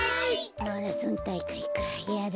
マラソンたいかいかいやだな。